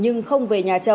nhưng không về nhà trẻ